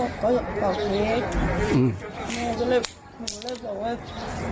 แม่ก็เลยรู้เรื่องแค่ว่า